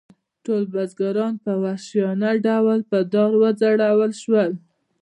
ټول بزګران په وحشیانه ډول په دار وځړول شول.